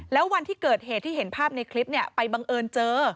แล้ววันที่เกิดเหตุที่เห็นภาพในคลิปไปบังเอิญเจอ